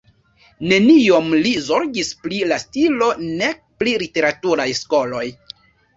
Neniom li zorgis pri la stilo nek pri literaturaj skoloj.